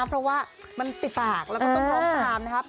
เพราะว่ามันติดปากแล้วก็ต้องร้องตามนะครับ